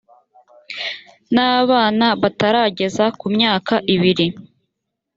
n abana batarageza ku myaka ibiri